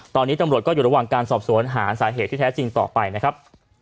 ตอนนี้ตำรวจก็อยู่ระหว่างการสอบสวนหาสาเหตุที่แท้จริงต่อไปนะครับ